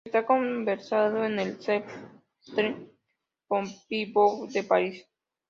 Está conservado en el Centre Pompidou de París.